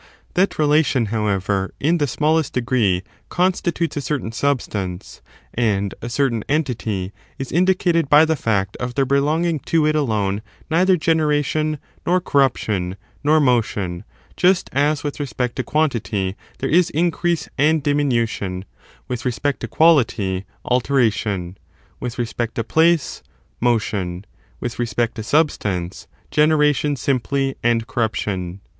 2 That relation, however, in the smallest degree g. confirmation "^ constitutes a certain substance, and a certain °^*^®*1P'^;v entity, is indicated by the fact of there belonging nature of reia * to it alone neither generation, nor corruption,^ °* nor motion ; just as with respect to quantity there is increase and diminution, with respect to quality, alteration, with respect to place, motion, with respect to substance, gene ration simply, and corruption.